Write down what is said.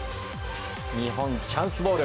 日本、チャンスボール。